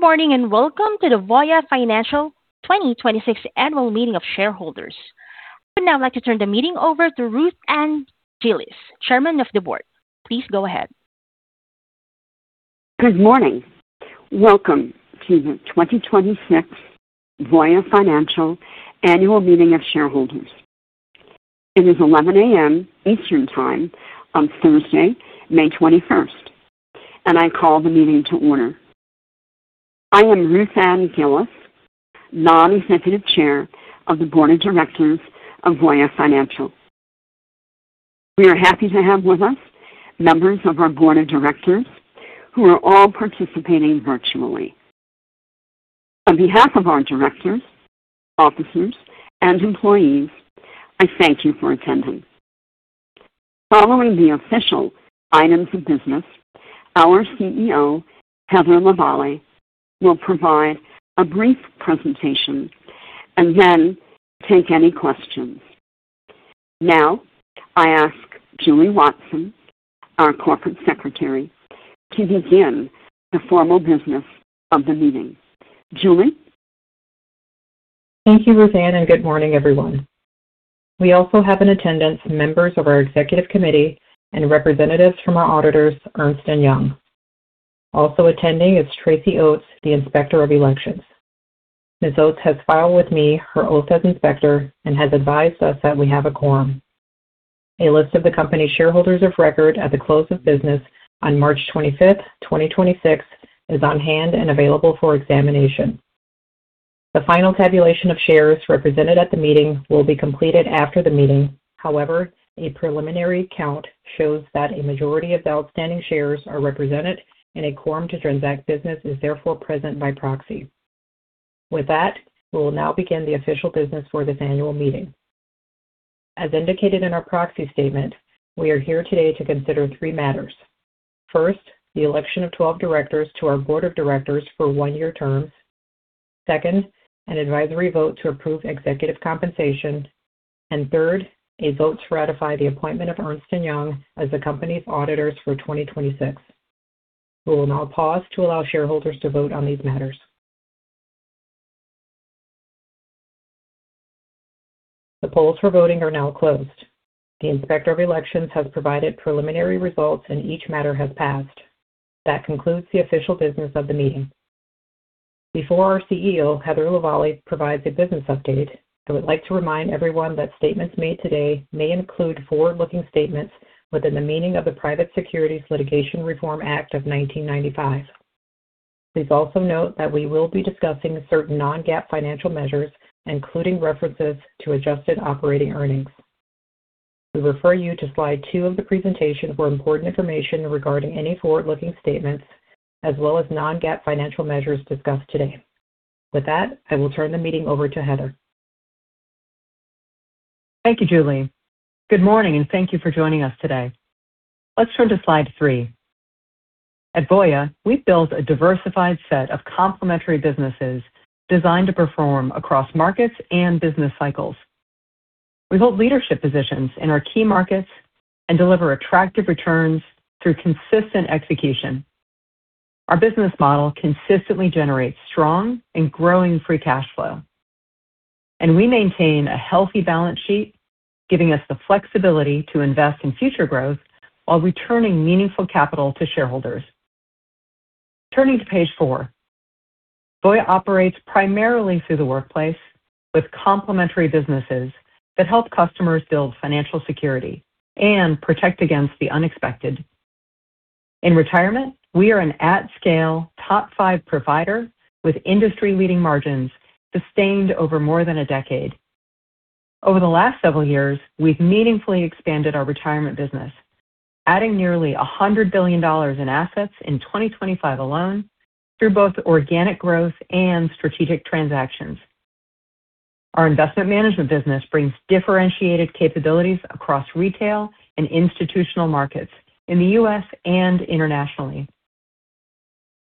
Good morning, and welcome to the Voya Financial 2026 Annual Meeting of Shareholders. I would now like to turn the meeting over to Ruth Ann Gillis, Chairman of the Board. Please go ahead. Good morning. Welcome to the 2026 Voya Financial Annual Meeting of Shareholders. It is 11:00 A.M. Eastern Time on Thursday, May 21st, and I call the meeting to order. I am Ruth Ann Gillis, Non-Executive Chair of the Board of Directors of Voya Financial. We are happy to have with us members of our Board of Directors who are all participating virtually. On behalf of our directors, officers, and employees, I thank you for attending. Following the official items of business, our CEO, Heather Lavallee, will provide a brief presentation and then take any questions. Now, I ask Julie Watson, our Corporate Secretary, to begin the formal business of the meeting. Julie? Thank you, Ruth Ann, and good morning, everyone. We also have in attendance members of our executive committee and representatives from our auditors, Ernst & Young. Also attending is Tracy Oats, the Inspector of Elections. Ms. Oats has filed with me her oath as inspector and has advised us that we have a quorum. A list of the company shareholders of record at the close of business on March 25th, 2026, is on hand and available for examination. The final tabulation of shares represented at the meeting will be completed after the meeting. However, a preliminary count shows that a majority of the outstanding shares are represented, and a quorum to transact business is therefore present by proxy. With that, we will now begin the official business for this annual meeting. As indicated in our proxy statement, we are here today to consider three matters. First, the election of 12 directors to our Board of Directors for one-year terms. Second, an advisory vote to approve executive compensation. Third, a vote to ratify the appointment of Ernst & Young as the company's auditors for 2026. We will now pause to allow shareholders to vote on these matters. The polls for voting are now closed. The Inspector of Election has provided preliminary results, and each matter has passed. That concludes the official business of the meeting. Before our CEO, Heather Lavallee, provides a business update, I would like to remind everyone that statements made today may include forward-looking statements within the meaning of the Private Securities Litigation Reform Act of 1995. Please also note that we will be discussing certain non-GAAP financial measures, including references to adjusted operating earnings. We refer you to slide two of the presentation for important information regarding any forward-looking statements as well as non-GAAP financial measures discussed today. With that, I will turn the meeting over to Heather. Thank you, Julie. Good morning and thank you for joining us today. Let's turn to slide three. At Voya, we've built a diversified set of complementary businesses designed to perform across markets and business cycles. We hold leadership positions in our key markets and deliver attractive returns through consistent execution. Our business model consistently generates strong and growing free cash flow, and we maintain a healthy balance sheet, giving us the flexibility to invest in future growth while returning meaningful capital to shareholders. Turning to page four. Voya operates primarily through the workplace with complementary businesses that help customers build financial security and protect against the unexpected. In Retirement, we are an at-scale top five provider with industry-leading margins sustained over more than a decade. Over the last several years, we've meaningfully expanded our Retirement business, adding nearly $100 billion in assets in 2025 alone through both organic growth and strategic transactions. Our Investment Management business brings differentiated capabilities across retail and institutional markets in the U.S. and internationally.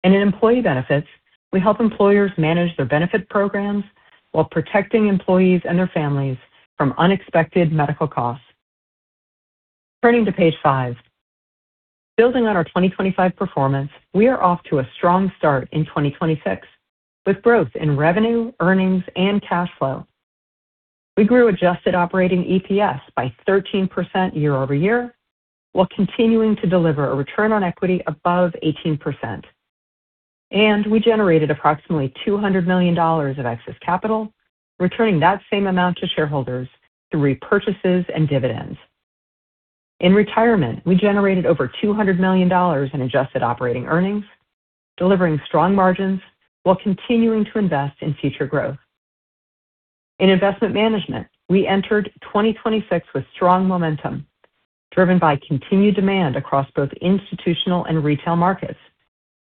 In Employee Benefits, we help employers manage their benefit programs while protecting employees and their families from unexpected medical costs. Turning to page five. Building on our 2025 performance, we are off to a strong start in 2026 with growth in revenue, earnings, and cash flow. We grew adjusted operating EPS by 13% year-over-year while continuing to deliver a return on equity above 18%. We generated approximately $200 million of excess capital, returning that same amount to shareholders through repurchases and dividends. In Retirement, we generated over $200 million in adjusted operating earnings, delivering strong margins while continuing to invest in future growth. In Investment Management, we entered 2026 with strong momentum, driven by continued demand across both institutional and retail markets.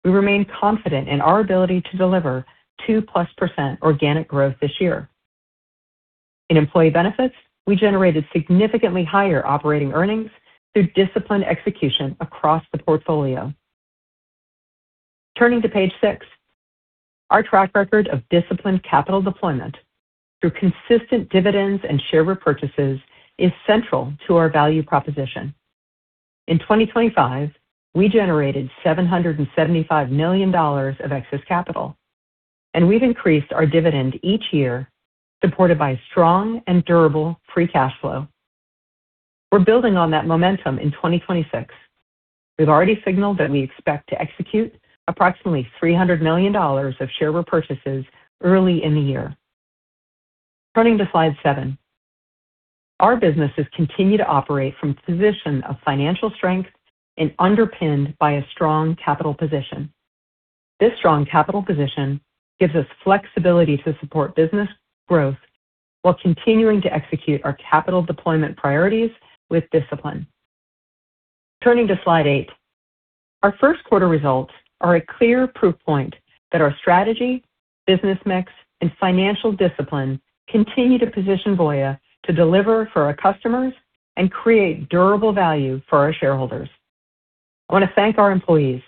We remain confident in our ability to deliver 2%+ organic growth this year. In Employee Benefits, we generated significantly higher operating earnings through disciplined execution across the portfolio. Turning to page six. Our track record of disciplined capital deployment through consistent dividends and share repurchases is central to our value proposition. In 2025, we generated $775 million of excess capital, and we've increased our dividend each year, supported by strong and durable free cash flow. We're building on that momentum in 2026. We've already signaled that we expect to execute approximately $300 million of share repurchases early in the year. Turning to slide seven. Our businesses continue to operate from a position of financial strength and underpinned by a strong capital position. This strong capital position gives us flexibility to support business growth while continuing to execute our capital deployment priorities with discipline. Turning to slide eight. Our first quarter results are a clear proof point that our strategy, business mix, and financial discipline continue to position Voya to deliver for our customers and create durable value for our shareholders. I want to thank our employees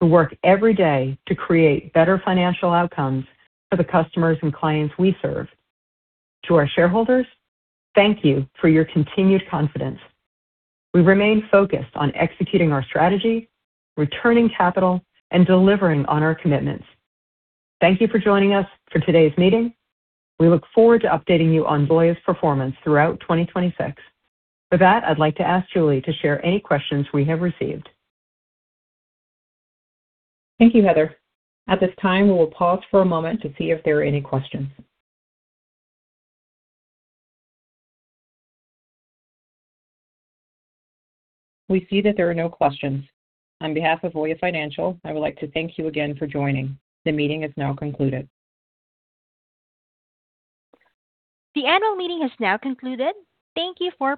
who work every day to create better financial outcomes for the customers and clients we serve. To our shareholders, thank you for your continued confidence. We remain focused on executing our strategy, returning capital, and delivering on our commitments. Thank you for joining us for today's meeting. We look forward to updating you on Voya's performance throughout 2026. For that, I'd like to ask Julie to share any questions we have received. Thank you, Heather. At this time, we will pause for a moment to see if there are any questions. We see that there are no questions. On behalf of Voya Financial, I would like to thank you again for joining. The meeting is now concluded. The annual meeting has now concluded. Thank you for.